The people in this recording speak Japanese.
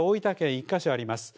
１か所あります。